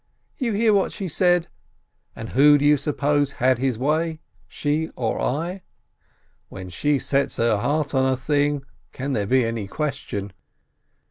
You hear what she said? And who, do you suppose, had his way — she or I? When she sets her heart on a thing, can there be any question